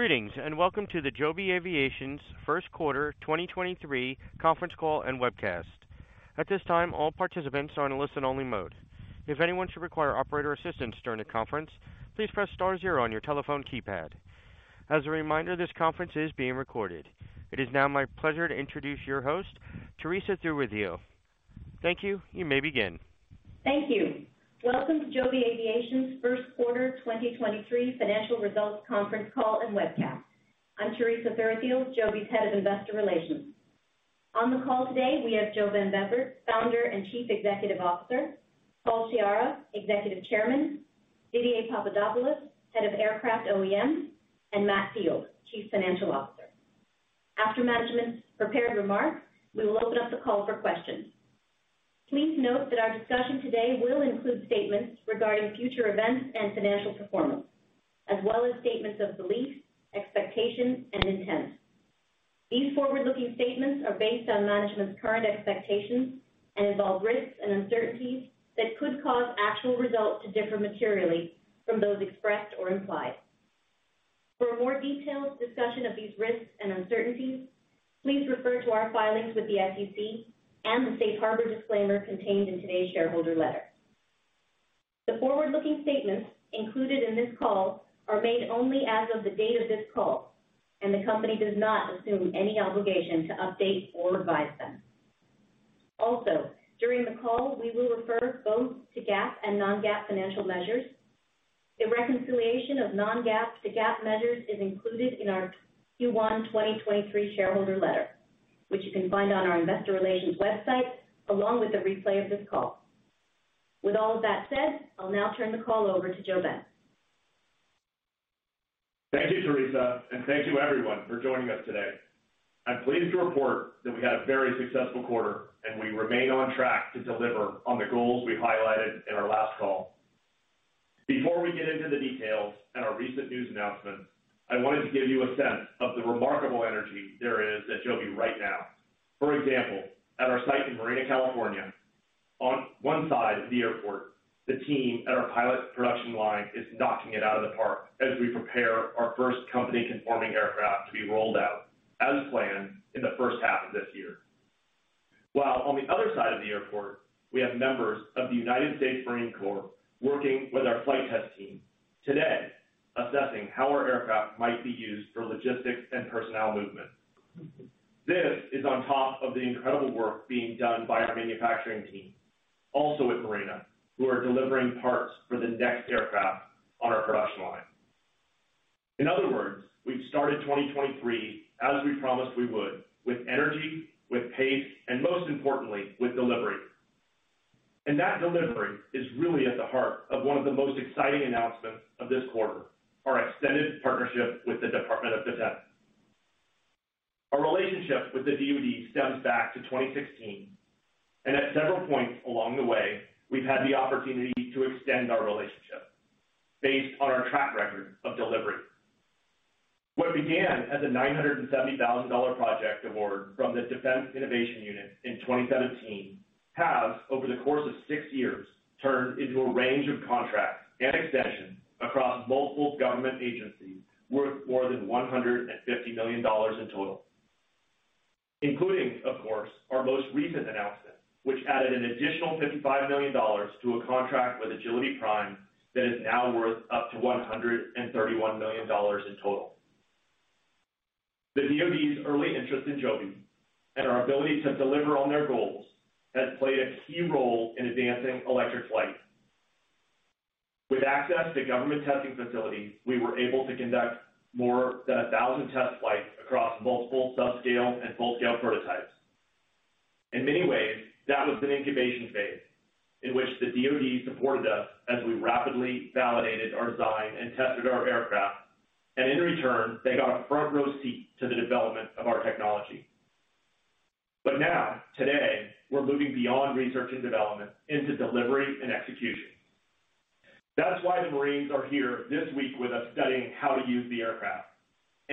Greetings, welcome to the Joby Aviation's first quarter 2023 conference call and webcast. At this time, all participants are in a listen-only mode. If anyone should require operator assistance during the conference, please press star zero on your telephone keypad. As a reminder, this conference is being recorded. It is now my pleasure to introduce your host, Teresa Thuruthiyil. Thank you. You may begin. Thank you. Welcome to Joby Aviation's first quarter 2023 financial results conference call and webcast. I'm Teresa Thuruthiyil, Joby's Head of Investor Relations. On the call today, we have JoeBen Bevirt, Founder and Chief Executive Officer, Paul Sciarra, Executive Chairman, Didier Papadopoulos, Head of Aircraft OEM, and Matt Field, Chief Financial Officer. After management's prepared remarks, we will open up the call for questions. Please note that our discussion today will include statements regarding future events and financial performance, as well as statements of belief, expectations, and intent. These forward-looking statements are based on management's current expectations and involve risks and uncertainties that could cause actual results to differ materially from those expressed or implied. For a more detailed discussion of these risks and uncertainties, please refer to our filings with the SEC and the safe harbor disclaimer contained in today's shareholder letter. The forward-looking statements included in this call are made only as of the date of this call, and the company does not assume any obligation to update or revise them. Also, during the call, we will refer both to GAAP and non-GAAP financial measures. A reconciliation of non-GAAP to GAAP measures is included in our Q1 2023 shareholder letter, which you can find on our investor relations website along with a replay of this call. With all of that said, I'll now turn the call over to JoeBen. Thank you, Teresa. Thank you everyone for joining us today. I'm pleased to report that we had a very successful quarter and we remain on track to deliver on the goals we highlighted in our last call. Before we get into the details and our recent news announcements, I wanted to give you a sense of the remarkable energy there is at Joby right now. For example, at our site in Marina, California, on one side of the airport, the team at our pilot production line is knocking it out of the park as we prepare our first company-conforming aircraft to be rolled out as planned in the first half of this year. On the other side of the airport, we have members of the United States Marine Corps working with our flight test team today assessing how our aircraft might be used for logistics and personnel movement. This is on top of the incredible work being done by our manufacturing team, also at Marina, who are delivering parts for the next aircraft on our production line. In other words, we've started 2023, as we promised we would, with energy, with pace, and most importantly, with delivery. That delivery is really at the heart of one of the most exciting announcements of this quarter, our extended partnership with the Department of Defense. Our relationship with the DoD stems back to 2016, and at several points along the way, we've had the opportunity to extend our relationship based on our track record of delivery. What began as a $970,000 project award from the Defense Innovation Unit in 2017 has, over the course of 6 years, turned into a range of contracts and extensions across multiple government agencies worth more than $150 million in total, including, of course, our most recent announcement, which added an additional $55 million to a contract with Agility Prime that is now worth up to $131 million in total. The DoD's early interest in Joby and our ability to deliver on their goals has played a key role in advancing electric flight. With access to government testing facilities, we were able to conduct more than 1,000 test flights across multiple subscale and full-scale prototypes. In many ways, that was an incubation phase in which the DoD supported us as we rapidly validated our design and tested our aircraft. In return, they got a front-row seat to the development of our technology. Now, today, we're moving beyond research and development into delivery and execution. That's why the Marines are here this week with us studying how to use the aircraft.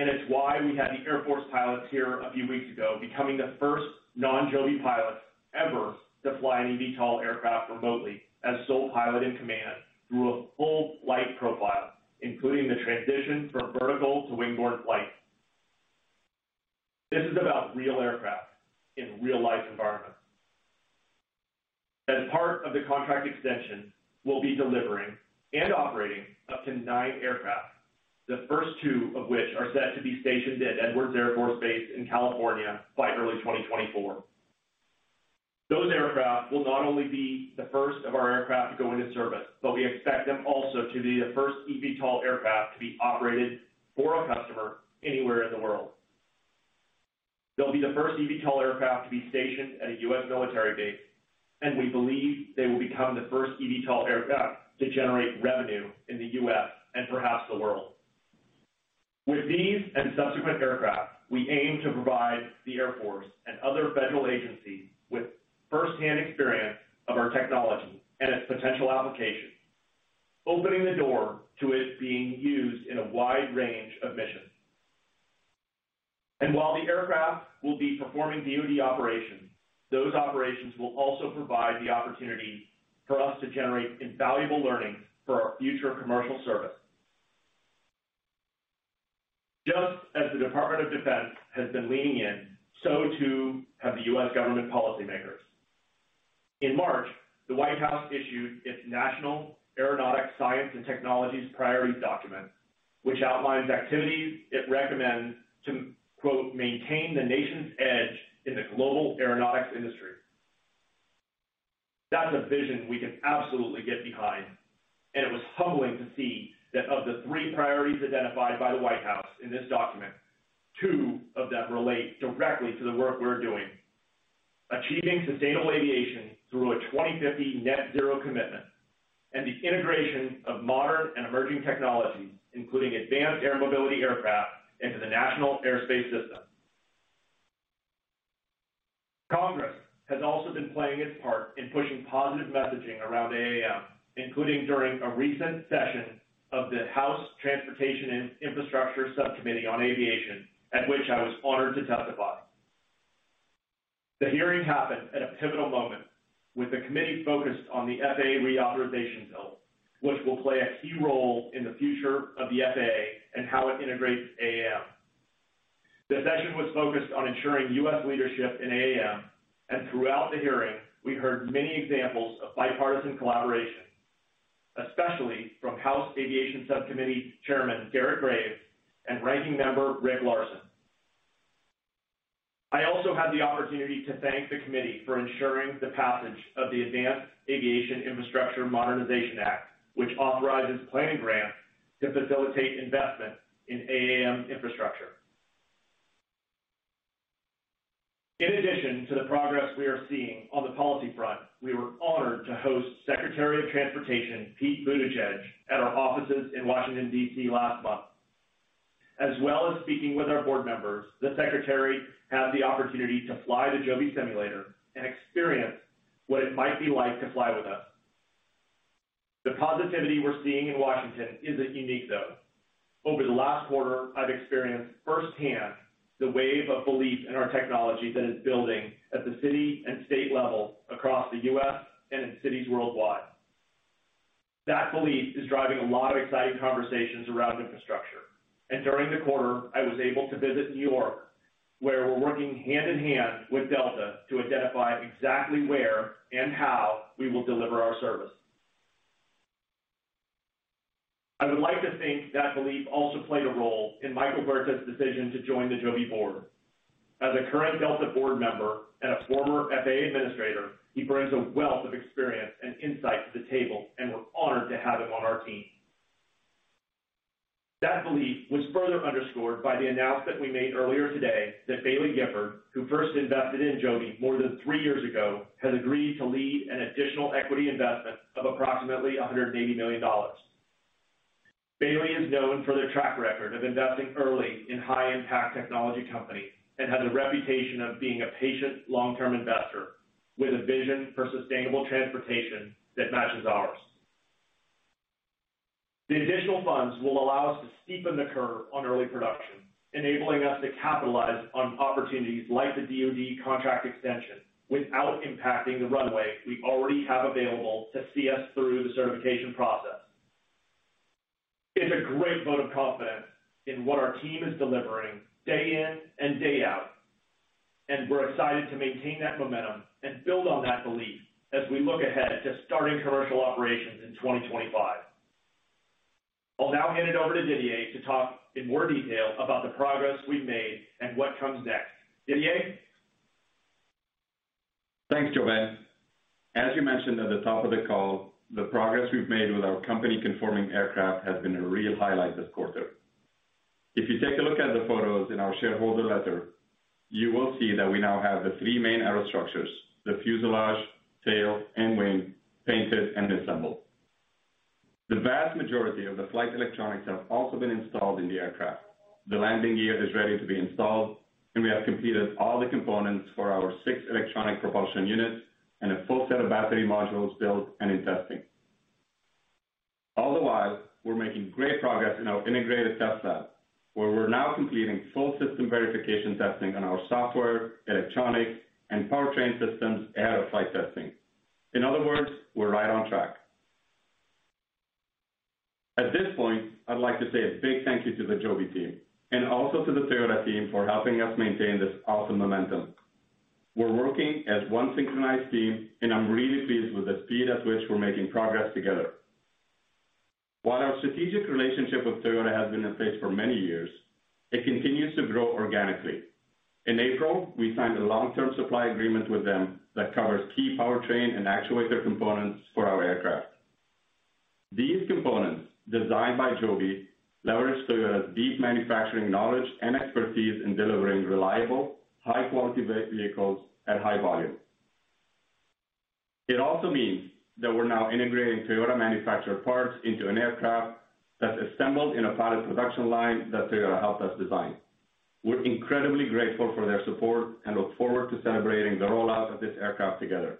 It's why we had the Air Force pilots here a few weeks ago, becoming the first non-Joby pilots ever to fly an eVTOL aircraft remotely as sole pilot in command through a full flight profile, including the transition from vertical to wing-borne flight. This is about real aircraft in real-life environments. As part of the contract extension, we'll be delivering and operating up to nine aircraft, the first two of which are set to be stationed at Edwards Air Force Base in California by early 2024. Those aircraft will not only be the first of our aircraft to go into service, but we expect them also to be the first eVTOL aircraft to be operated for a customer anywhere in the world. They'll be the first eVTOL aircraft to be stationed at a U.S. military base, and we believe they will become the first eVTOL aircraft to generate revenue in the U.S. and perhaps the world. With these and subsequent aircraft, we aim to provide the Air Force and other federal agencies with first-hand experience of our technology and its potential application, opening the door to it being used in a wide range of missions. While the aircraft will be performing DoD operations, those operations will also provide the opportunity for us to generate invaluable learning for our future commercial service. Just as the Department of Defense has been leaning in, so too have the U.S. government policymakers. In March, the White House issued its National Aeronautics Science and Technology Priorities document, which outlines activities it recommends to quote, "Maintain the nation's edge in the global aeronautics industry." That's a vision we can absolutely get behind, and it was humbling to see that of the three priorities identified by the White House in this document, two of them relate directly to the work we're doing. Achieving sustainable aviation through a 2050 net zero commitment and the integration of modern and emerging technologies, including advanced air mobility aircraft into the National Airspace System. Congress has also been playing its part in pushing positive messaging around AAM, including during a recent session of the House Transportation and Infrastructure Subcommittee on Aviation, at which I was honored to testify. The hearing happened at a pivotal moment with the committee focused on the FAA reauthorization bill, which will play a key role in the future of the FAA and how it integrates AAM. The session was focused on ensuring U.S. leadership in AAM, and throughout the hearing, we heard many examples of bipartisan collaboration, especially from House Aviation Subcommittee Chairman, Garret Graves, and Ranking Member, Rick Larsen. I also had the opportunity to thank the committee for ensuring the passage of the Advanced Aviation Infrastructure Modernization Act, which authorizes planning grants to facilitate investment in AAM infrastructure. In addition to the progress we are seeing on the policy front, we were honored to host Secretary of Transportation, Pete Buttigieg, at our offices in Washington, D.C. last month. As well as speaking with our board members, the Secretary had the opportunity to fly the Joby simulator and experience what it might be like to fly with us. The positivity we're seeing in Washington isn't unique, though. Over the last quarter, I've experienced firsthand the wave of belief in our technology that is building at the city and state level across the U.S. and in cities worldwide. That belief is driving a lot of exciting conversations around infrastructure. During the quarter, I was able to visit New York, where we're working hand in hand with Delta to identify exactly where and how we will deliver our service. I would like to think that belief also played a role in Michael Huerta's decision to join the Joby board. As a current Delta board member and a former FAA administrator, he brings a wealth of experience and insight to the table, and we're honored to have him on our team. That belief was further underscored by the announcement we made earlier today that Baillie Gifford, who first invested in Joby more than three years ago, has agreed to lead an additional equity investment of approximately $180 million. Baillie Gifford is known for their track record of investing early in high-impact technology companies and has a reputation of being a patient long-term investor with a vision for sustainable transportation that matches ours. The additional funds will allow us to steepen the curve on early production, enabling us to capitalize on opportunities like the DoD contract extension without impacting the runway we already have available to see us through the certification process. It's a great vote of confidence in what our team is delivering day in and day out, and we're excited to maintain that momentum and build on that belief as we look ahead to starting commercial operations in 2025. I'll now hand it over to Didier to talk in more detail about the progress we've made and what comes next. Didier? Thanks, JoeBen. As you mentioned at the top of the call, the progress we've made with our company-conforming aircraft has been a real highlight this quarter. If you take a look at the photos in our shareholder letter, you will see that we now have the three main aerostructures, the fuselage, tail, and wing painted and assembled. The vast majority of the flight electronics have also been installed in the aircraft. The landing gear is ready to be installed, and we have completed all the components for our six electronic propulsion units and a full set of battery modules built and in testing. All the while, we're making great progress in our integrated test lab, where we're now completing full system verification testing on our software, electronics, and powertrain systems ahead of flight testing. In other words, we're right on track. At this point, I'd like to say a big thank you to the Joby team and also to the Toyota team for helping us maintain this awesome momentum. We're working as one synchronized team, and I'm really pleased with the speed at which we're making progress together. While our strategic relationship with Toyota has been in place for many years, it continues to grow organically. In April, we signed a long-term supply agreement with them that covers key powertrain and actuator components for our aircraft. These components, designed by Joby, leverage Toyota's deep manufacturing knowledge and expertise in delivering reliable, high-quality vehicles at high volume. It also means that we're now integrating Toyota-manufactured parts into an aircraft that's assembled in a pilot production line that Toyota helped us design. We're incredibly grateful for their support and look forward to celebrating the rollout of this aircraft together.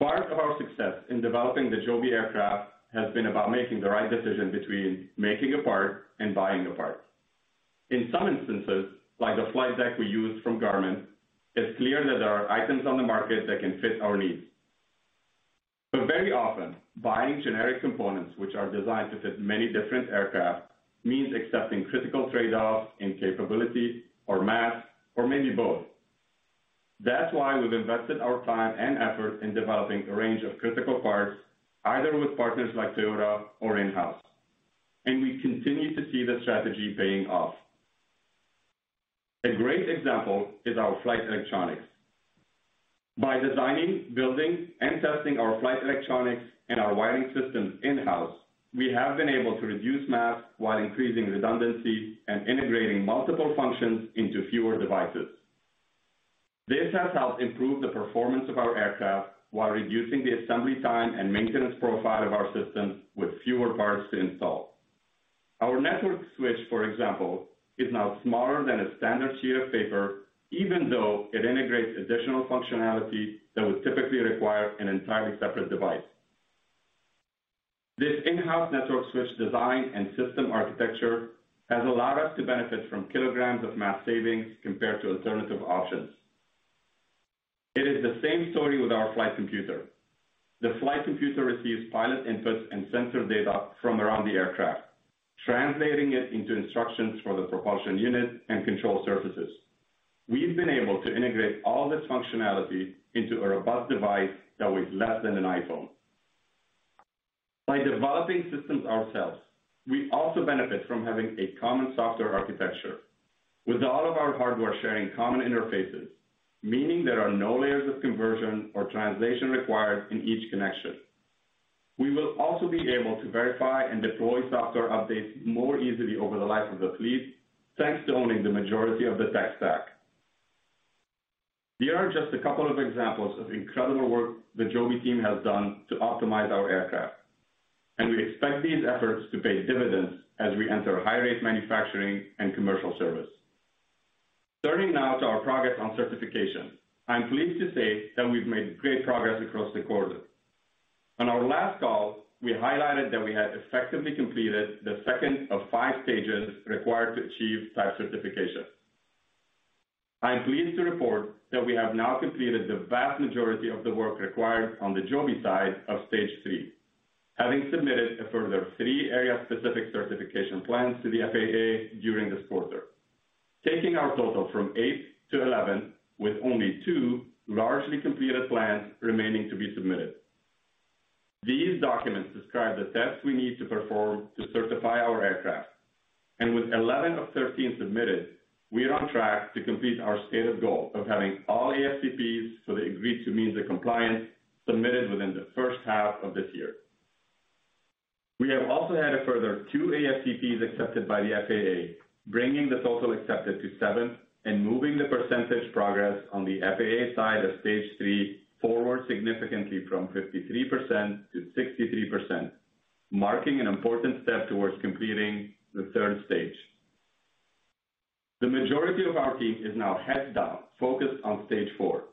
Our success in developing the Joby aircraft has been about making the right decision between making a part and buying a part. In some instances, like the flight deck we use from Garmin, it's clear that there are items on the market that can fit our needs. Very often, buying generic components which are designed to fit many different aircraft means accepting critical trade-offs in capabilities or mass or maybe both. That's why we've invested our time and effort in developing a range of critical parts, either with partners like Toyota or in-house, and we continue to see the strategy paying off. A great example is our flight electronics. By designing, building, and testing our flight electronics and our wiring systems in-house, we have been able to reduce mass while increasing redundancy and integrating multiple functions into fewer devices. This has helped improve the performance of our aircraft while reducing the assembly time and maintenance profile of our system with fewer parts to install. Our network switch, for example, is now smaller than a standard sheet of paper, even though it integrates additional functionality that would typically require an entirely separate device. This in-house network switch design and system architecture has allowed us to benefit from kilograms of mass savings compared to alternative options. It is the same story with our flight computer. The flight computer receives pilot inputs and sensor data from around the aircraft, translating it into instructions for the propulsion unit and control surfaces. We've been able to integrate all this functionality into a robust device that weighs less than an iPhone. By developing systems ourselves, we also benefit from having a common software architecture with all of our hardware sharing common interfaces, meaning there are no layers of conversion or translation required in each connection. We will also be able to verify and deploy software updates more easily over the life of the fleet, thanks to owning the majority of the tech stack. These are just a couple of examples of incredible work the Joby team has done to optimize our aircraft, and we expect these efforts to pay dividends as we enter high-rate manufacturing and commercial service. Turning now to our progress on certification, I'm pleased to say that we've made great progress across the quarter. On our last call, we highlighted that we had effectively completed the 2nd of 5 stages required to achieve type certification. I'm pleased to report that we have now completed the vast majority of the work required on the Joby side of stage 3, having submitted a further 3 area-specific certification plans to the FAA during this quarter, taking our total from 8 to 11, with only 2 largely completed plans remaining to be submitted. These documents describe the tests we need to perform to certify our aircraft. With 11 of 13 submitted, we are on track to complete our stated goal of having all ASCPs for the agreed-to means of compliance submitted within the first half of this year. We have also had a further 2 ASCPs accepted by the FAA, bringing the total accepted to 7 and moving the percentage progress on the FAA side of stage three forward significantly from 53% to 63%, marking an important step towards completing the third stage. The majority of our team is now heads down, focused on stage four,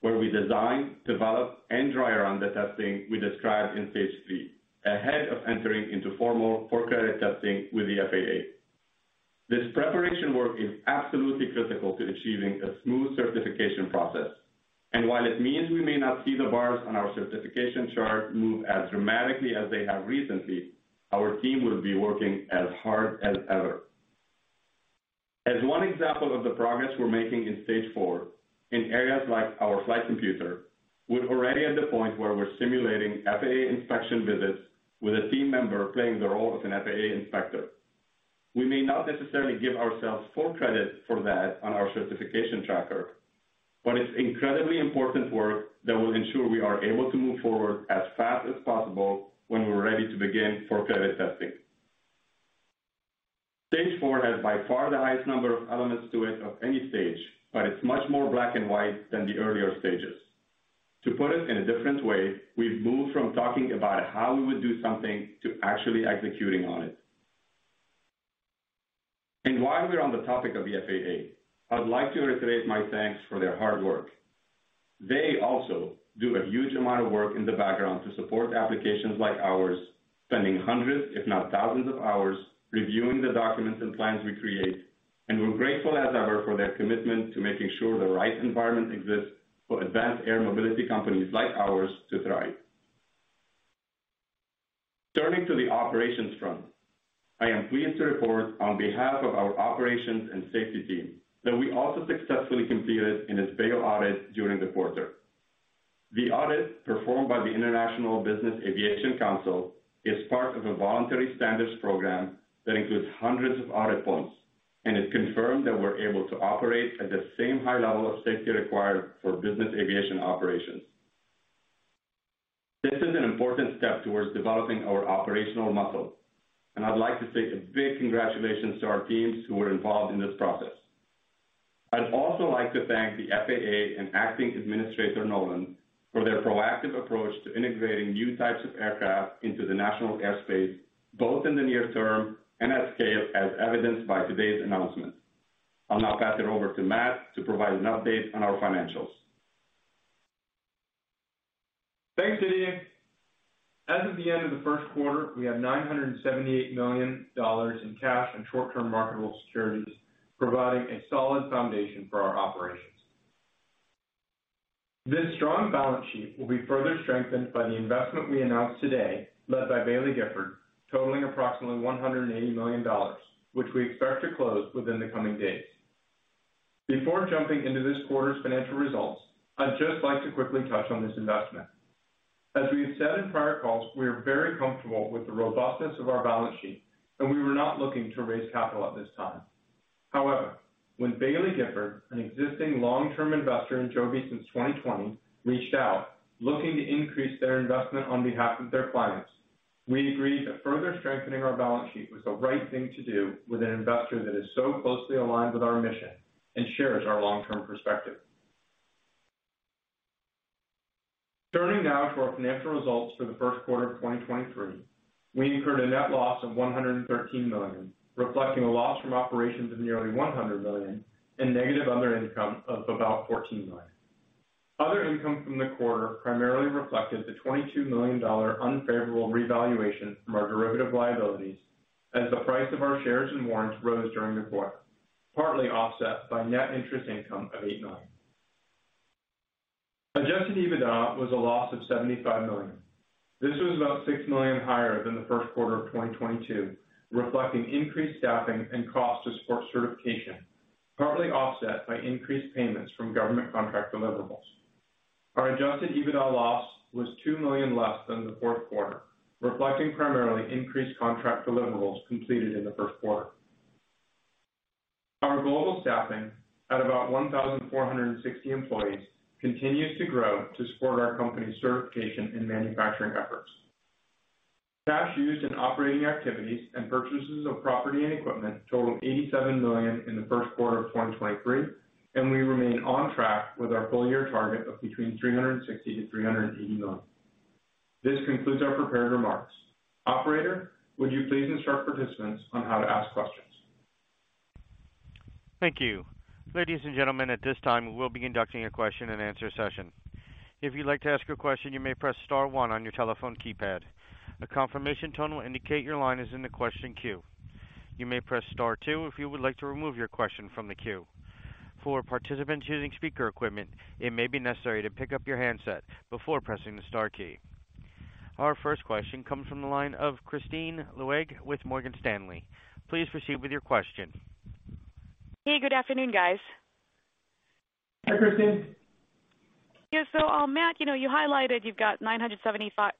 where we design, develop, and dry run the testing we described in stage three ahead of entering into formal for-credit testing with the FAA. This preparation work is absolutely critical to achieving a smooth certification process. While it means we may not see the bars on our certification chart move as dramatically as they have recently, our team will be working as hard as ever. As one example of the progress we're making in stage four in areas like our flight computer, we're already at the point where we're simulating FAA inspection visits with a team member playing the role of an FAA inspector. We may not necessarily give ourselves full credit for that on our certification tracker, but it's incredibly important work that will ensure we are able to move forward as fast as possible when we're ready to begin for-credit testing. Stage four has by far the highest number of elements to it of any stage, but it's much more black and white than the earlier stages. To put it in a different way, we've moved from talking about how we would do something to actually executing on it. While we're on the topic of the FAA, I'd like to reiterate my thanks for their hard work. They also do a huge amount of work in the background to support applications like ours, spending hundreds, if not thousands of hours reviewing the documents and plans we create, and we're grateful as ever for their commitment to making sure the right environment exists for Advanced Air Mobility companies like ours to thrive. Turning to the operations front, I am pleased to report on behalf of our operations and safety team that we also successfully completed an IS-BAO audit during the quarter. The audit performed by the International Business Aviation Council is part of a voluntary standards program that includes hundreds of audit points and it confirmed that we're able to operate at the same high level of safety required for business aviation operations. This is an important step towards developing our operational muscle, and I'd like to say a big congratulations to our teams who were involved in this process. I'd also like to thank the FAA and Acting Administrator Nolan for their proactive approach to integrating new types of aircraft into the national airspace, both in the near term and at scale, as evidenced by today's announcement. I'll now pass it over to Matt to provide an update on our financials. Thanks, JB. As of the end of the first quarter, we have $978 million in cash and short-term marketable securities, providing a solid foundation for our operations. This strong balance sheet will be further strengthened by the investment we announced today, led by Baillie Gifford, totaling approximately $180 million, which we expect to close within the coming days. Before jumping into this quarter's financial results, I'd just like to quickly touch on this investment. As we have said in prior calls, we are very comfortable with the robustness of our balance sheet, and we were not looking to raise capital at this time. When Baillie Gifford, an existing long-term investor in Joby since 2020, reached out looking to increase their investment on behalf of their clients, we agreed that further strengthening our balance sheet was the right thing to do with an investor that is so closely aligned with our mission and shares our long-term perspective. Turning now to our financial results for the first quarter of 2023, we incurred a net loss of $113 million, reflecting a loss from operations of nearly $100 million and negative other income of about $14 million. Other income from the quarter primarily reflected the $22 million unfavorable revaluation from our derivative liabilities as the price of our shares and warrants rose during the quarter, partly offset by net interest income of $8 million. Adjusted EBITDA was a loss of $75 million. This was about $6 million higher than the first quarter of 2022, reflecting increased staffing and cost to support certification, partly offset by increased payments from government contract deliverables. Our Adjusted EBITDA loss was $2 million less than the fourth quarter, reflecting primarily increased contract deliverables completed in the first quarter. Our global staffing, at about 1,460 employees, continues to grow to support our company's certification and manufacturing efforts. Cash used in operating activities and purchases of property and equipment totaled $87 million in the first quarter of 2023, and we remain on track with our full year target of between $360 million-$380 million. This concludes our prepared remarks. Operator, would you please instruct participants on how to ask questions? Thank you. Ladies and gentlemen, at this time, we will be conducting a question and answer session. If you'd like to ask a question, you may press star one on your telephone keypad. A confirmation tone will indicate your line is in the question queue. You may press star two if you would like to remove your question from the queue. For participants using speaker equipment, it may be necessary to pick up your handset before pressing the star key. Our first question comes from the line of Kristine Liwag with Morgan Stanley. Please proceed with your question. Hey, good afternoon, guys. Hi, Kristine. Yeah. Matt, you know, you highlighted you've got $978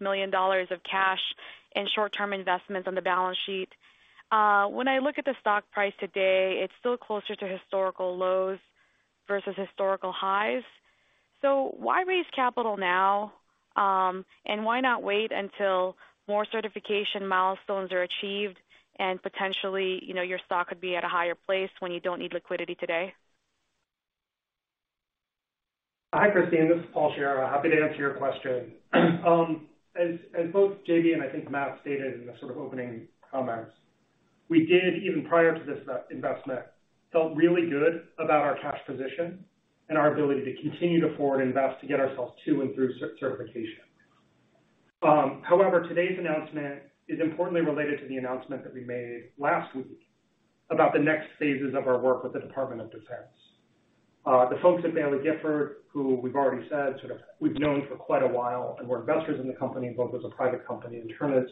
million of cash and short-term investments on the balance sheet. When I look at the stock price today, it's still closer to historical lows versus historical highs. Why raise capital now, and why not wait until more certification milestones are achieved and potentially, you know, your stock could be at a higher place when you don't need liquidity today? Hi, Kristine. This is Paul Sciarra. Happy to answer your question. As both JB and I think Matt stated in the sort of opening comments, we did, even prior to this investment, felt really good about our cash position and our ability to continue to forward invest to get ourselves to and through certification. However, today's announcement is importantly related to the announcement that we made last week about the next phases of our work with the Department of Defense. The folks at Baillie Gifford, who we've already said sort of we've known for quite a while and were investors in the company both as a private company and through this,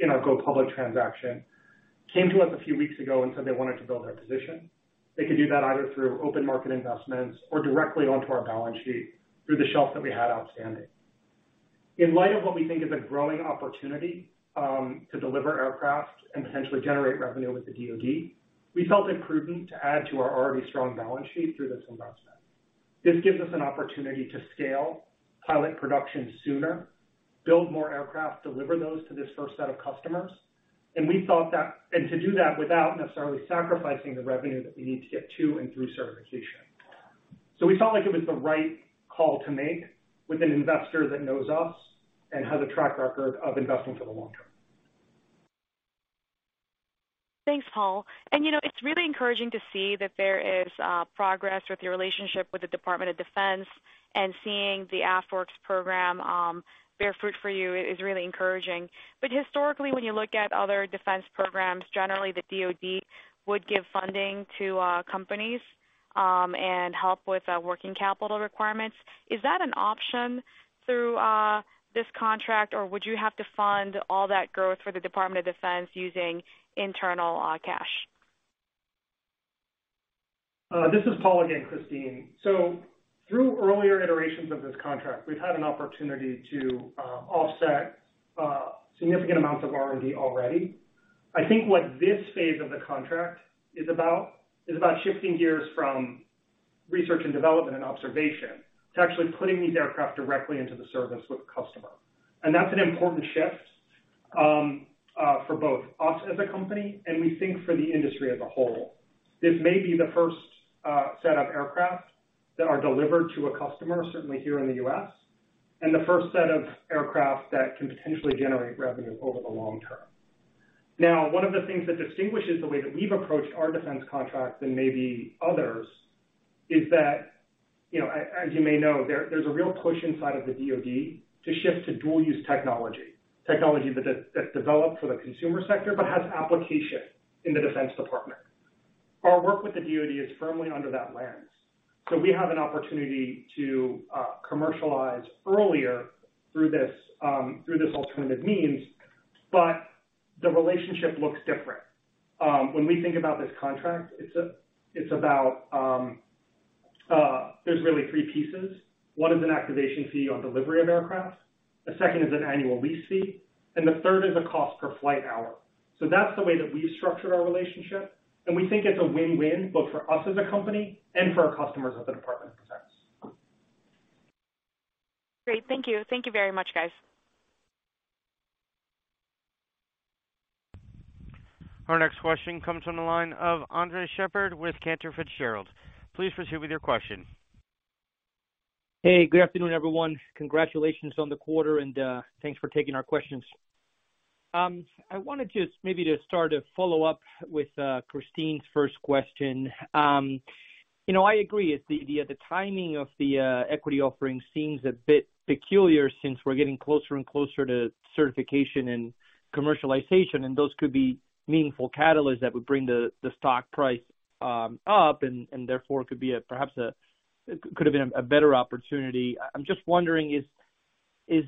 in our go public transaction, came to us a few weeks ago and said they wanted to build their position. They could do that either through open market investments or directly onto our balance sheet through the shelf that we had outstanding. In light of what we think is a growing opportunity, to deliver aircraft and potentially generate revenue with the DoD, we felt it prudent to add to our already strong balance sheet through this investment. This gives us an opportunity to scale, pilot production sooner, build more aircraft, deliver those to this first set of customers, and to do that without necessarily sacrificing the revenue that we need to get to and through certification. We felt like it was the right call to make with an investor that knows us and has a track record of investing for the long term. Thanks, Paul. You know, it's really encouraging to see that there is progress with your relationship with the Department of Defense and seeing the AFWERX program bear fruit for you is really encouraging. Historically, when you look at other defense programs, generally the DoD would give funding to companies and help with working capital requirements. Is that an option through this contract or would you have to fund all that growth for the Department of Defense using internal cash? This is Paul again, Kristine. Through earlier iterations of this contract, we've had an opportunity to offset significant amounts of R&D already. I think what this phase of the contract is about is about shifting gears from research and development and observation to actually putting these aircraft directly into the service with the customer. That's an important shift for both us as a company and we think for the industry as a whole. This may be the first set of aircraft that are delivered to a customer, certainly here in the U.S. The first set of aircraft that can potentially generate revenue over the long term. One of the things that distinguishes the way that we've approached our defense contracts and maybe others is that, you know, as you may know, there's a real push inside of the DoD to shift to dual-use technology. Technology that's developed for the consumer sector, but has application in the Department of Defense. Our work with the DoD is firmly under that lens. We have an opportunity to commercialize earlier through this, through this alternative means, but the relationship looks different. When we think about this contract, it's about, there's really three pieces. One is an activation fee on delivery of aircraft, the second is an annual lease fee, and the third is a cost per flight hour. That's the way that we've structured our relationship, and we think it's a win-win, both for us as a company and for our customers at the Department of Defense. Great. Thank you. Thank you very much, guys. Our next question comes from the line of Andres Sheppard with Cantor Fitzgerald. Please proceed with your question. Hey, good afternoon, everyone. Congratulations on the quarter, and thanks for taking our questions. I wanted just maybe to start a follow-up with Kristine's first question. You know, I agree with the timing of the equity offering seems a bit peculiar since we're getting closer and closer to certification and commercialization, and those could be meaningful catalysts that would bring the stock price up and therefore could be a perhaps could have been a better opportunity. I'm just wondering, and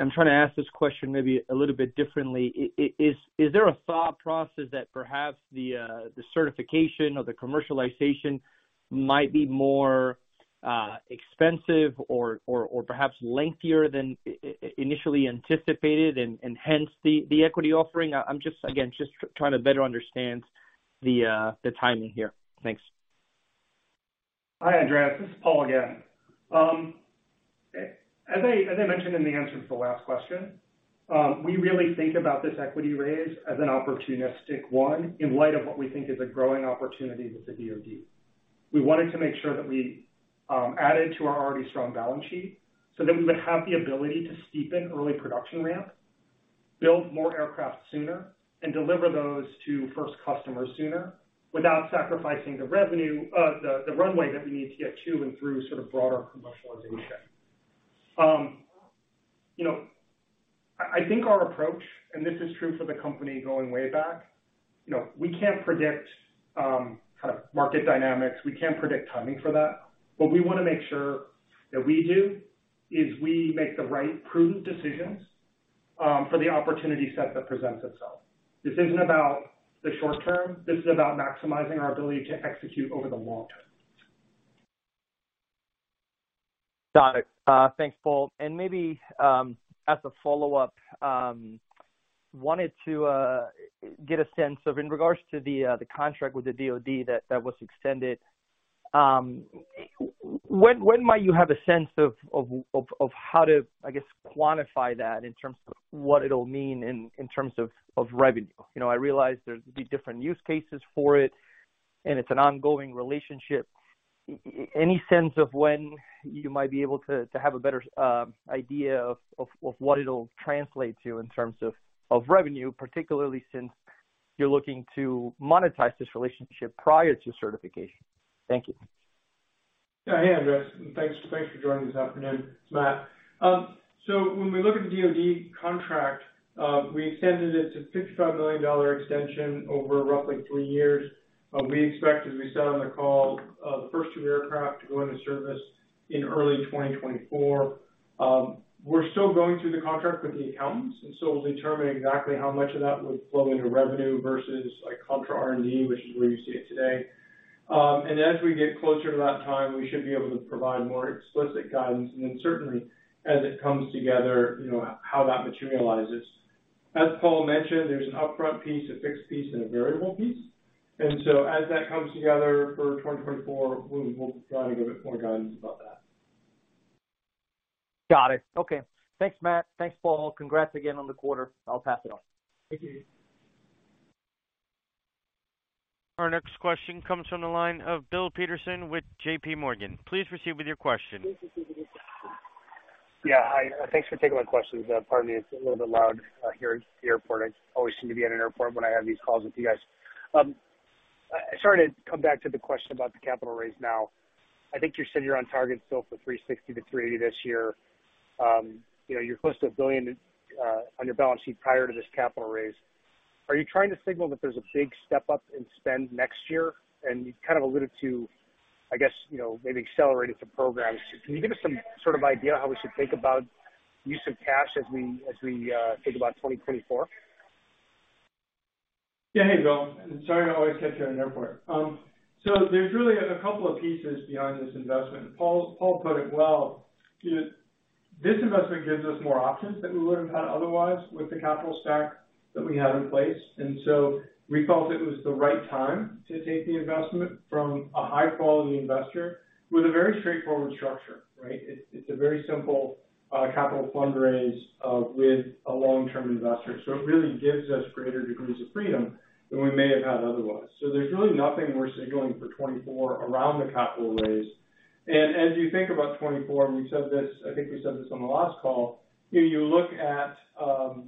I'm trying to ask this question maybe a little bit differently. Is there a thought process that perhaps the certification or the commercialization might be more expensive or perhaps lengthier than initially anticipated and hence the equity offering? I'm just, again, just trying to better understand the timing here. Thanks. Hi, Andres. This is Paul again. As I mentioned in the answer to the last question, we really think about this equity raise as an opportunistic one in light of what we think is a growing opportunity with the DoD. We wanted to make sure that we added to our already strong balance sheet so that we would have the ability to steepen early production ramp, build more aircraft sooner, and deliver those to first customers sooner without sacrificing the runway that we need to get to and through sort of broader commercialization. You know, I think our approach, and this is true for the company going way back, you know, we can't predict kind of market dynamics. We can't predict timing for that. What we wanna make sure that we do is we make the right prudent decisions, for the opportunity set that presents itself. This isn't about the short term. This is about maximizing our ability to execute over the long term. Got it. Thanks, Paul. Maybe, as a follow-up, wanted to get a sense of in regards to the contract with the DoD that was extended, when might you have a sense of how to, I guess, quantify that in terms of what it'll mean in terms of revenue? You know, I realize there's different use cases for it, and it's an ongoing relationship. Any sense of when you might be able to have a better idea of what it'll translate to in terms of revenue, particularly since you're looking to monetize this relationship prior to certification? Thank you. Yeah. Hey, Andres. Thanks, thanks for joining this afternoon. It's Matt. When we look at the DoD contract, we extended it to a $55 million extension over roughly three years. We expect, as we said on the call, the first two aircraft to go into service in early 2024. We're still going through the contract with the accountants, and so we'll determine exactly how much of that would flow into revenue versus like contra R&D, which is where you see it today. As we get closer to that time, we should be able to provide more explicit guidance. Certainly as it comes together, you know, how that materializes. As Paul mentioned, there's an upfront piece, a fixed piece, and a variable piece. As that comes together for 2024, we'll try to give it more guidance about that. Got it. Okay. Thanks, Matt. Thanks, Paul. Congrats again on the quarter. I'll pass it on. Thank you. Our next question comes from the line of Bill Peterson with JPMorgan. Please proceed with your question. Yeah. Hi. Thanks for taking my questions. Pardon me, it's a little bit loud here at the airport. I always seem to be at an airport when I have these calls with you guys. I just wanna come back to the question about the capital raise now. I think you said you're on target still for $360-$380 this year. You know, you're close to $1 billion on your balance sheet prior to this capital raise. Are you trying to signal that there's a big step up in spend next year? You kind of alluded to, I guess, you know, maybe accelerating some programs. Can you give us some sort of idea how we should think about use of cash as we think about 2024? Yeah. Hey, Bill. Sorry to always catch you in an airport. There's really a couple of pieces behind this investment. Paul put it well. You know, this investment gives us more options than we would have had otherwise with the capital stack that we had in place. We felt it was the right time to take the investment from a high quality investor with a very straightforward structure, right? It's, it's a very simple capital fundraise with a long-term investor. It really gives us greater degrees of freedom than we may have had otherwise. There's really nothing we're signaling for 2024 around the capital raise. As you think about 2024, and we said this, I think we said this on the last call, you know,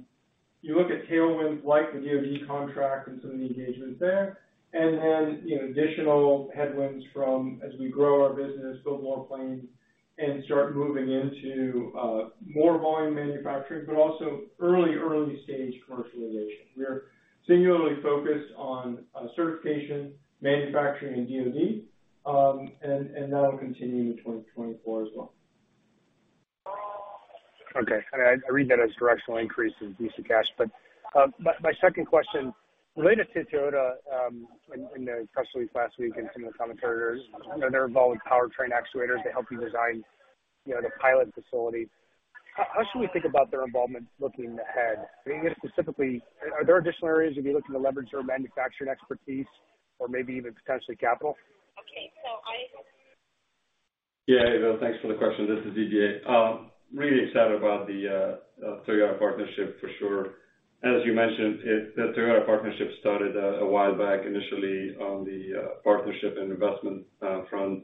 you look at tailwinds like the DoD contract and some of the engagements there, and then, you know, additional headwinds from as we grow our business, build more planes, and start moving into more volume manufacturing, but also early stage commercialization. We are singularly focused on certification, manufacturing, and DoD, and that'll continue into 2024 as well. I read that as directional increase in DC cash. My, my second question related to Toyota, in the press release last week and some of the commentators, you know, they're involved with powertrain actuators. They help you design, you know, the pilot facility. How should we think about their involvement looking ahead? I mean, specifically, are there additional areas that you're looking to leverage their manufacturing expertise or maybe even potentially capital? Okay. Eva, thanks for the question. This is Didier. really excited about the Toyota partnership for sure. As you mentioned, the Toyota partnership started a while back initially on the partnership and investment front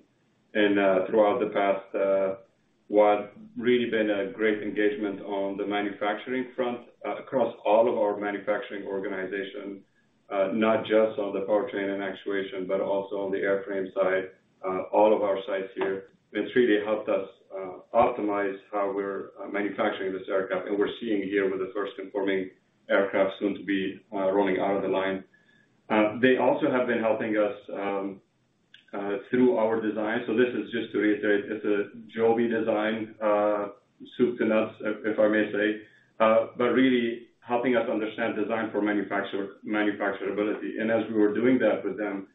and throughout the past, what really been a great engagement on the manufacturing front across all of our manufacturing organization, not just on the powertrain and actuation, but also on the airframe side, all of our sites here. It's really helped us optimize how we're manufacturing this aircraft, and we're seeing here with the first conforming aircraft soon to be rolling out of the line. They also have been helping us through our design. This is just to reiterate, it's a Joby design, soup to nuts, if I may say, but really helping us understand design for manufacturability. As we were doing that with them,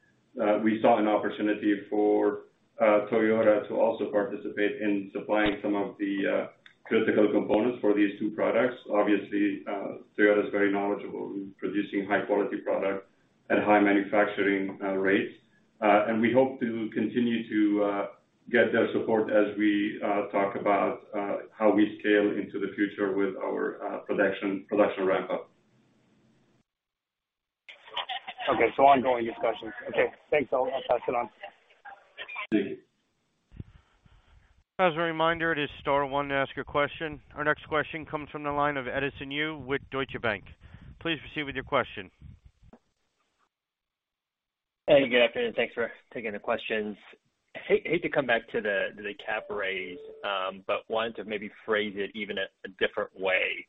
we saw an opportunity for Toyota to also participate in supplying some of the critical components for these two products. Obviously, Toyota is very knowledgeable in producing high quality product at high manufacturing rates. We hope to continue to get their support as we talk about how we scale into the future with our production ramp up. Okay. ongoing discussions. Okay. Thanks all. I'll pass it on. Thank you. As a reminder, it is star one to ask a question. Our next question comes from the line of Edison Yu with Deutsche Bank. Please proceed with your question. Hey, good afternoon. Thanks for taking the questions. Hate to come back to the cap raise, wanted to maybe phrase it even a different way.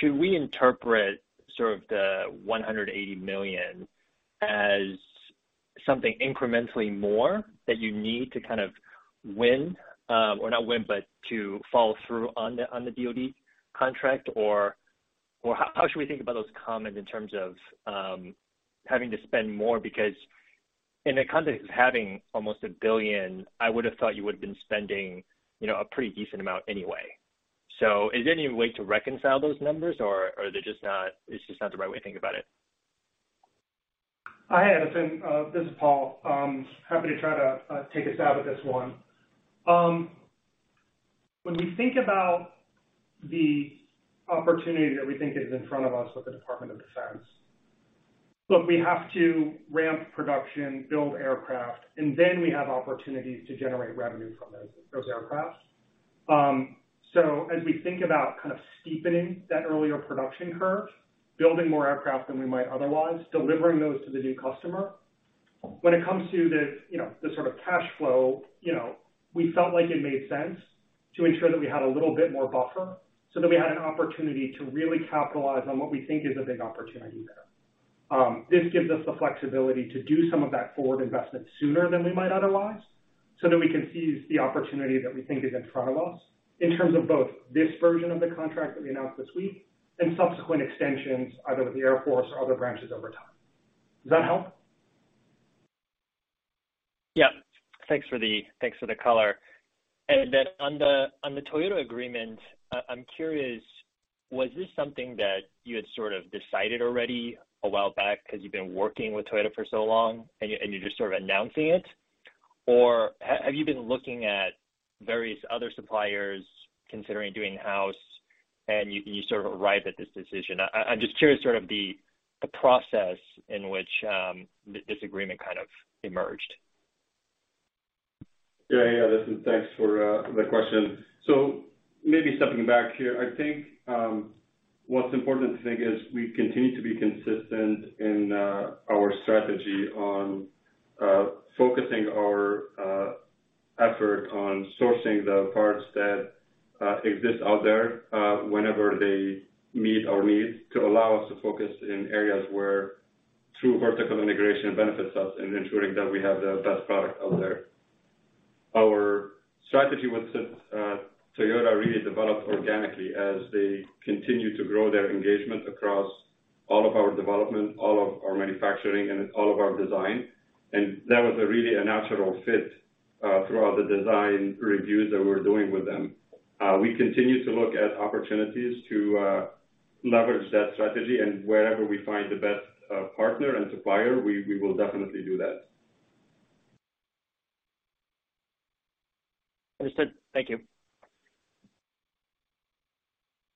Should we interpret sort of the $180 million as something incrementally more that you need to kind of win, or not win, to follow through on the DoD contract? How should we think about those comments in terms of having to spend more? In the context of having almost $1 billion, I would have thought you would have been spending, you know, a pretty decent amount anyway. Is there any way to reconcile those numbers, or are they just not, it's just not the right way to think about it? Hi, Edison. This is Paul. Happy to try to take a stab at this one. When we think about the opportunity that we think is in front of us with the Department of Defense, look, we have to ramp production, build aircraft, and then we have opportunities to generate revenue from those aircraft. As we think about kind of steepening that earlier production curve, building more aircraft than we might otherwise, delivering those to the new customer, when it comes to the, you know, the sort of cash flow, you know, we felt like it made sense to ensure that we had a little bit more buffer so that we had an opportunity to really capitalize on what we think is a big opportunity there. this gives us the flexibility to do some of that forward investment sooner than we might otherwise, so that we can seize the opportunity that we think is in front of us in terms of both this version of the contract that we announced this week and subsequent extensions either with the Air Force or other branches over time. Does that help? Yeah. Thanks for the color. On the Toyota agreement, I'm curious, was this something that you had sort of decided already a while back because you've been working with Toyota for so long and you, and you're just sort of announcing it? Or have you been looking at various other suppliers considering doing house and you sort of arrive at this decision? I'm just curious sort of the process in which this agreement kind of emerged? Yeah. Yeah, Edison. Thanks for the question. Maybe stepping back here. I think what's important to think is we continue to be consistent in our strategy on focusing our effort on sourcing the parts that exist out there whenever they meet our needs to allow us to focus in areas where true vertical integration benefits us in ensuring that we have the best product out there. Our strategy with Toyota really developed organically as they continue to grow their engagement across all of our development, all of our manufacturing, and all of our design. That was a really a natural fit throughout the design reviews that we're doing with them. We continue to look at opportunities to leverage that strategy, and wherever we find the best partner and supplier, we will definitely do that. Understood. Thank you.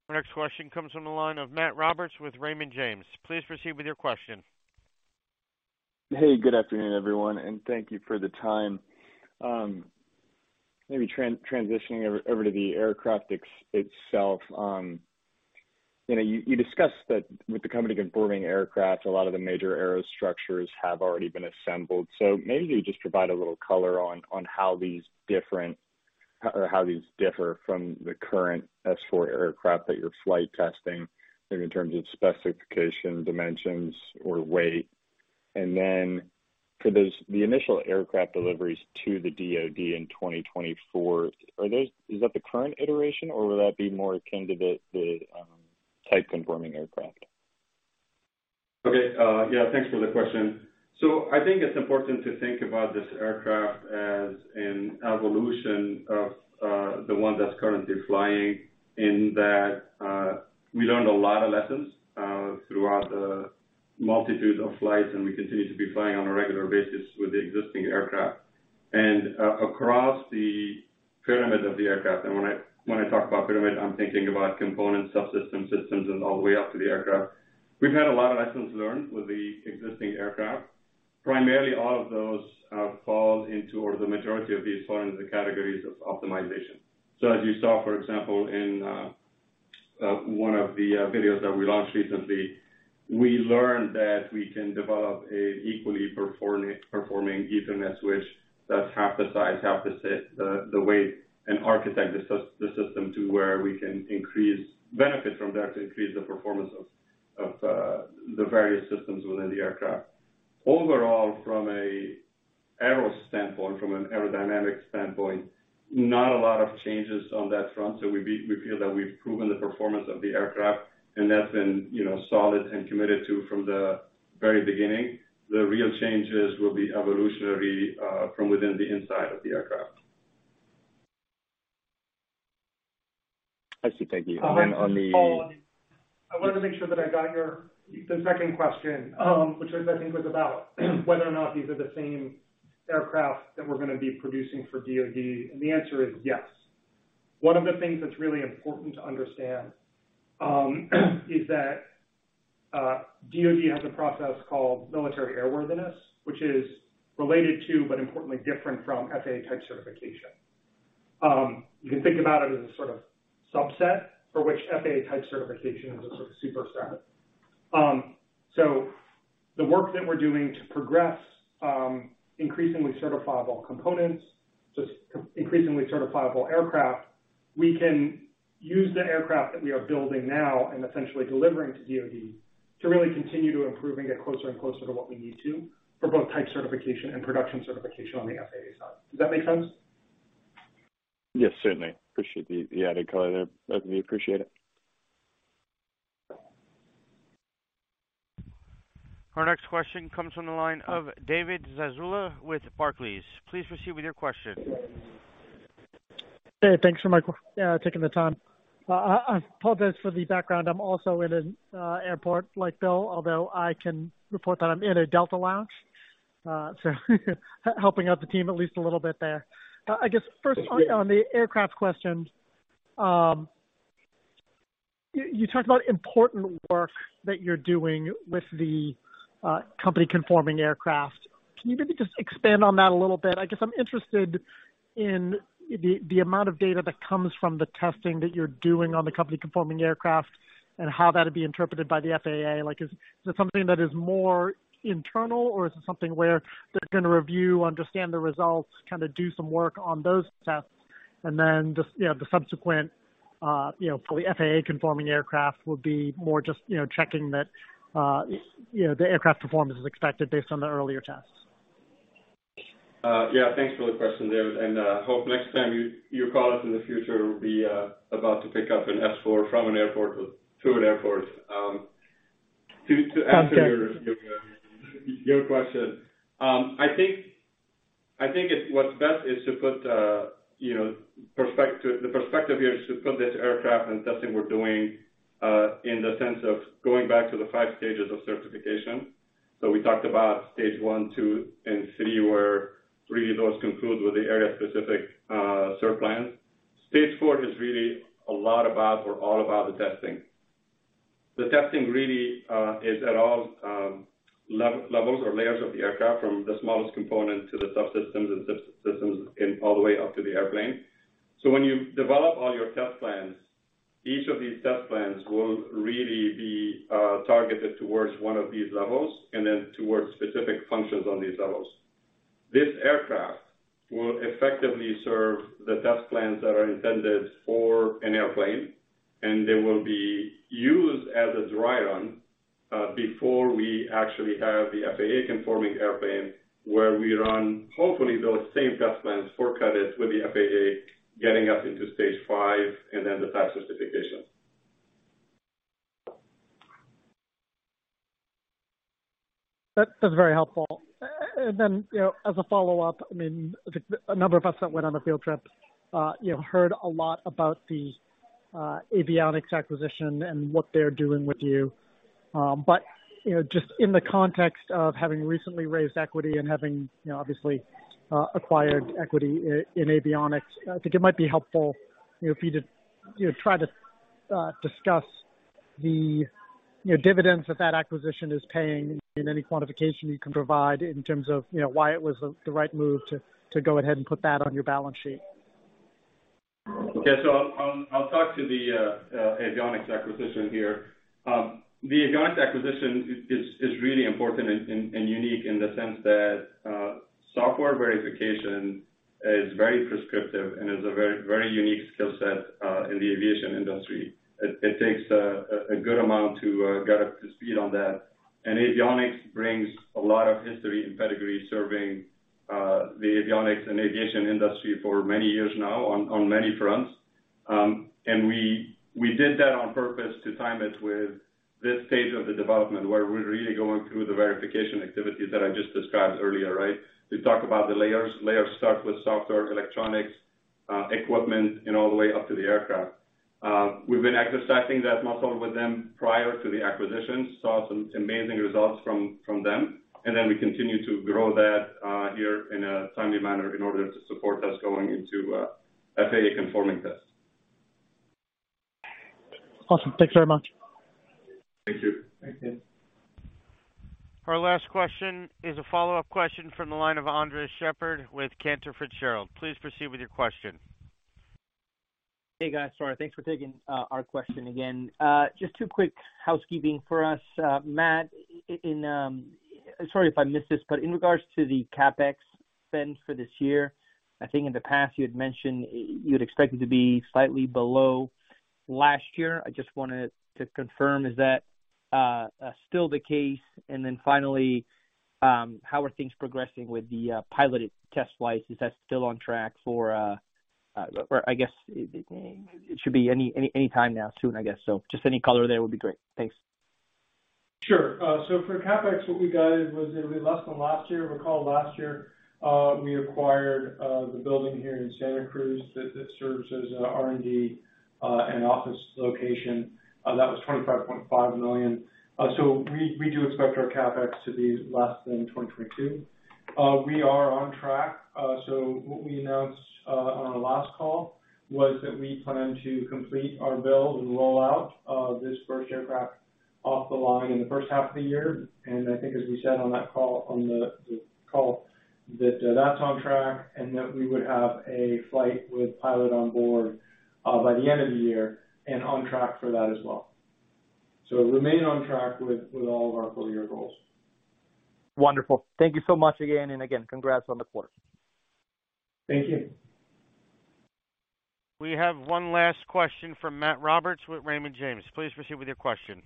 Our next question comes from the line of Matt Roberts with Raymond James. Please proceed with your question. Hey, good afternoon, everyone, and thank you for the time. Maybe transitioning over to the aircraft itself. You know, you discussed that with the company conforming aircraft, a lot of the major aerostructures have already been assembled. Maybe you just provide a little color on how these differ from the current S4 aircraft that you're flight testing in terms of specification, dimensions, or weight? Then for the initial aircraft deliveries to the DoD in 2024, is that the current iteration or would that be more akin to the type conforming aircraft? Okay, yeah, thanks for the question. I think it's important to think about this aircraft as an evolution of the one that's currently flying in that we learned a lot of lessons throughout the multitude of flights, and we continue to be flying on a regular basis with the existing aircraft. Across the pyramid of the aircraft, and when I, when I talk about pyramid, I'm thinking about components, subsystems, systems, and all the way up to the aircraft. We've had a lot of lessons learned with the existing aircraft. Primarily, all of those fall into or the majority of these fall into the categories of optimization. As you saw, for example, in one of the videos that we launched recently, we learned that we can develop an equally performing Ethernet switch that's half the size, half the weight, and architect the system to where we can benefit from that to increase the performance of the various systems within the aircraft. Overall, from a aero standpoint, from an aerodynamic standpoint, not a lot of changes on that front. We feel that we've proven the performance of the aircraft, and that's been, you know, solid and committed to from the very beginning. The real changes will be evolutionary from within the inside of the aircraft. I see. Thank you. And then on the- Paul, I wanted to make sure that I got the second question, which was, I think, was about whether or not these are the same aircraft that we're gonna be producing for DoD. The answer is yes. One of the things that's really important to understand, is that DoD has a process called military airworthiness, which is related to, but importantly different from FAA type certification. You can think about it as a sort of subset for which FAA type certification is a sort of super set. The work that we're doing to progress, increasingly certifiable components to increasingly certifiable aircraft, we can use the aircraft that we are building now and essentially delivering to DoD to really continue to improve and get closer and closer to what we need to for both type certification and production certification on the FAA side. Does that make sense? Yes, certainly. Appreciate the added color there. Definitely appreciate it. Our next question comes from the line of David Zazula with Barclays. Please proceed with your question. Hey, thanks so much for taking the time. I'll pause this for the background. I'm also in an airport like Bill, although I can report that I'm in a Delta lounge, so helping out the team at least a little bit there. I guess first on the aircraft question, you talked about important work that you're doing with the company-conforming aircraft. Can you maybe just expand on that a little bit? I guess I'm interested in the amount of data that comes from the testing that you're doing on the company-conforming aircraft and how that'd be interpreted by the FAA. Like, is it something that is more internal or is it something where they're gonna review, understand the results, kinda do some work on those tests, and then just, you know, the subsequent, you know, for the FAA-conforming aircraft would be more just, you know, checking that, you know, the aircraft performance is expected based on the earlier tests? Yeah. Thanks for the question, David. Hope next time you call us in the future, we'll be about to pick up an S4 from an airport to an airport. To answer your question, I think what's best is to put, you know, the perspective here is to put this aircraft and testing we're doing, in the sense of going back to the five stages of certification. We talked about stage one, two, and three, where really those conclude with the Area-Specific cert plans. Stage four is really a lot about or all about the testing. The testing really is at all levels or layers of the aircraft, from the smallest component to the subsystems and systems and all the way up to the airplane. When you develop all your test plans, each of these test plans will really be targeted towards one of these levels and then towards specific functions on these levels. This aircraft will effectively serve the test plans that are intended for an airplane, and they will be used as a dry run, before we actually have the FAA-conforming airplane, where we run, hopefully, those same test plans for credits with the FAA getting us into stage five and then the type certification. That's very helpful. you know, as a follow-up, I mean, a number of us that went on the field trip, you know, heard a lot about the Avionyx acquisition and what they're doing with you. you know, just in the context of having recently raised equity and having, you know, obviously, acquired equity in Avionyx, I think it might be helpful, you know, if you'd to, you know, try to discuss The, you know, dividends that that acquisition is paying and any quantification you can provide in terms of, you know, why it was the right move to go ahead and put that on your balance sheet. Okay. I'll talk to the Avionyx acquisition here. The Avionyx acquisition is really important and unique in the sense that software verification is very prescriptive and is a very unique skill set in the aviation industry. It takes a good amount to get up to speed on that. Avionyx brings a lot of history and pedigree serving the avionics and aviation industry for many years now on many fronts. We did that on purpose to time it with this stage of the development, where we're really going through the verification activities that I just described earlier, right? We talk about the layers. Layers start with software, electronics, equipment, and all the way up to the aircraft. We've been exercising that muscle with them prior to the acquisition, saw some amazing results from them, and then we continue to grow that here in a timely manner in order to support us going into FAA conforming tests. Awesome. Thanks very much. Thank you. Thank you. Our last question is a follow-up question from the line of Andres Sheppard with Cantor Fitzgerald. Please proceed with your question. Hey, guys. Sorry. Thanks for taking our question again. Just 2 quick housekeeping for us. Matt, in... Sorry if I missed this, but in regards to the CapEx spend for this year, I think in the past you had mentioned you'd expect it to be slightly below last year. I just wanted to confirm, is that still the case? Finally, how are things progressing with the piloted test flights? Is that still on track for, or I guess it should be any time now soon, I guess. Just any color there would be great. Thanks. Sure. For CapEx, what we guided was it'll be less than last year. Recall last year, we acquired the building here in Santa Cruz that serves as our R&D and office location. That was $25.5 million. We do expect our CapEx to be less than $22 million. We are on track. What we announced on our last call was that we plan to complete our build and roll out of this first aircraft off the line in the first half of the year. I think as we said on that call, on the call, that's on track and that we would have a flight with pilot on board by the end of the year and on track for that as well. Remain on track with all of our full year goals. Wonderful. Thank you so much again, and again, congrats on the quarter. Thank you. We have one last question from Matt Roberts with Raymond James. Please proceed with your question.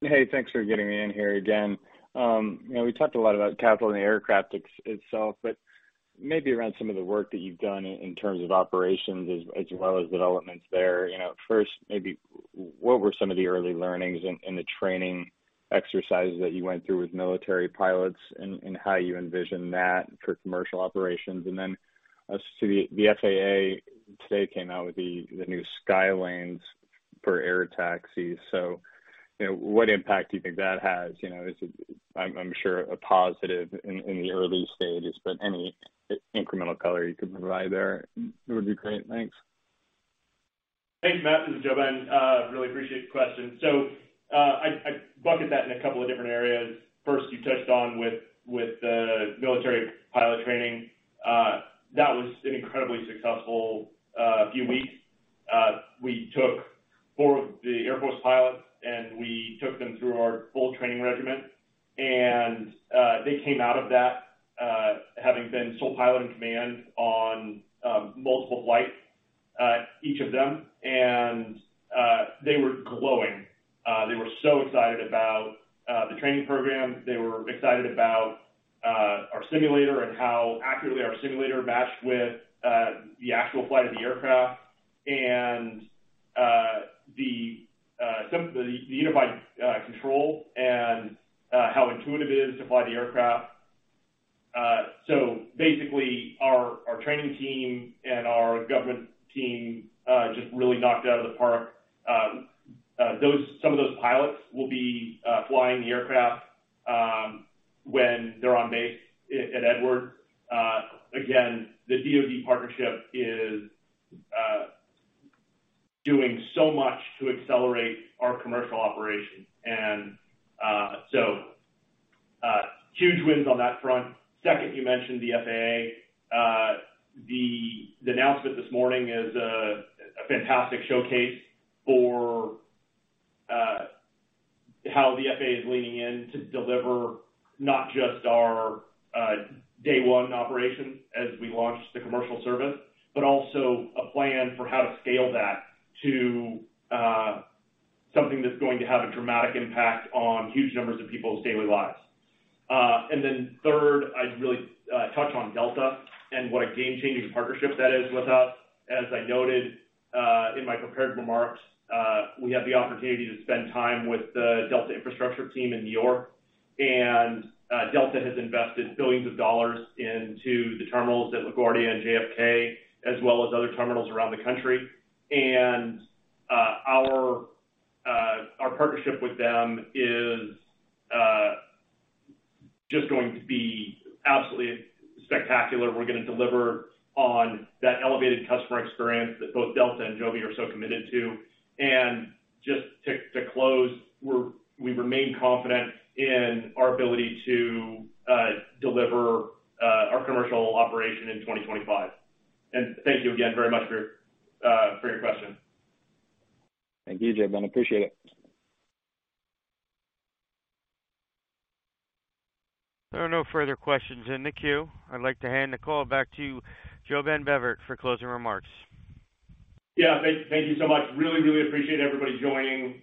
Hey, thanks for getting me in here again. You know, we talked a lot about capital in the aircraft itself, but maybe around some of the work that you've done in terms of operations as well as developments there. You know, first, maybe what were some of the early learnings in the training exercises that you went through with military pilots and how you envision that for commercial operations? Then as to the FAA today came out with the new sky lanes for air taxis. You know, what impact do you think that has? You know, I'm sure a positive in the early stages, but any incremental color you could provide there would be great. Thanks. Thanks, Matt. This is JoeBen Bevirt. Really appreciate the question. I bucket that in a couple of different areas. First, you touched on with the military pilot training. That was an incredibly successful few weeks. We took four of the Air Force pilots, and we took them through our full training regimen. They came out of that, having been sole pilot in command on multiple flights, each of them. They were glowing. They were so excited about the training program. They were excited about our simulator and how accurately our simulator matched with the actual flight of the aircraft and the some of the the unified control and how intuitive it is to fly the aircraft. Basically our training team and our government team just really knocked it out of the park. Some of those pilots will be flying the aircraft when they're on base at Edwards. Again, the DoD partnership is doing so much to accelerate our commercial operations. Huge wins on that front. Second, you mentioned the FAA. The announcement this morning is a fantastic showcase for how the FAA is leaning in to deliver not just our day one operations as we launch the commercial service, but also a plan for how to scale that to something that's going to have a dramatic impact on huge numbers of people's daily lives. Third, I'd really touch on Delta and what a game-changing partnership that is with us. As I noted, in my prepared remarks, we have the opportunity to spend time with the Delta infrastructure team in New York. Delta has invested billions of dollars into the terminals at LaGuardia and JFK, as well as other terminals around the country. Our partnership with them is just going to be absolutely spectacular. We're gonna deliver on that elevated customer experience that both Delta and Joby are so committed to. Just to close, we remain confident in our ability to deliver our commercial operation in 2025. Thank you again very much for your question. Thank you, JoeBen. Appreciate it. There are no further questions in the queue. I'd like to hand the call back to JoeBen Bevirt for closing remarks. Yeah. Thank you so much. Really appreciate everybody joining.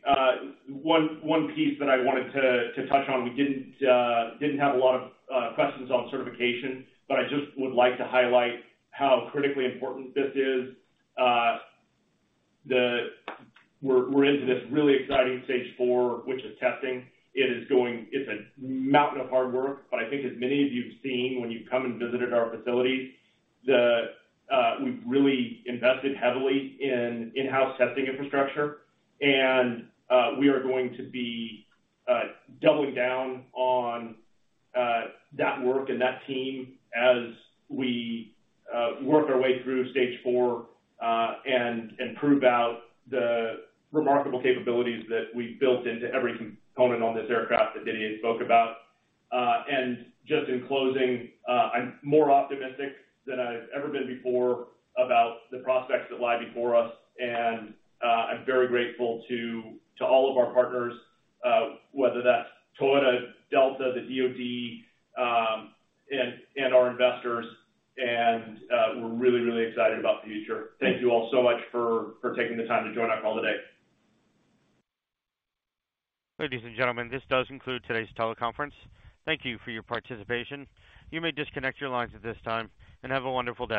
One piece that I wanted to touch on. We didn't have a lot of questions on certification, I just would like to highlight how critically important this is. We're into this really exciting stage four, which is testing. It's a mountain of hard work, I think as many of you have seen when you've come and visited our facilities, we've really invested heavily in in-house testing infrastructure. We are going to be doubling down on that work and that team as we work our way through stage four and prove out the remarkable capabilities that we've built into every component on this aircraft that Didier spoke about. Just in closing, I'm more optimistic than I've ever been before about the prospects that lie before us. I'm very grateful to all of our partners, whether that's Toyota, Delta, the DoD, and our investors. We're really, really excited about the future. Thank you all so much for taking the time to join our call today. Ladies and gentlemen, this does conclude today's teleconference. Thank you for your participation. You may disconnect your lines at this time, and have a wonderful day.